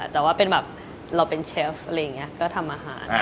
แต่ว่าเป็นแบบเราเป็นเชฟอะไรอย่างนี้ก็ทำอาหาร